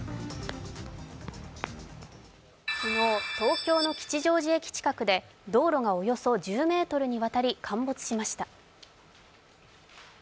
昨日、東京の吉祥駅近くで道路がおよそ１０ｍにわたり陥没しました。